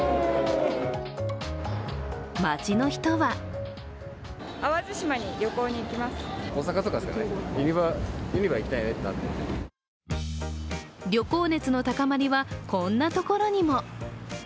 街の人は旅行熱の高まりはこんなところにも。